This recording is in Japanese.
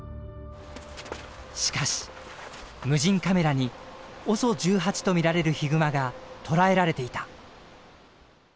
しかし無人カメラにＯＳＯ１８と見られるヒグマが捉えられていた。